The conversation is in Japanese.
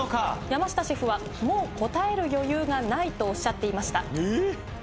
山下シェフはもう答える余裕がないとおっしゃっていましたええー？